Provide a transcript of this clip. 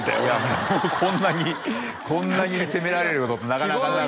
もうこんなにこんなに責められることってなかなかなかったです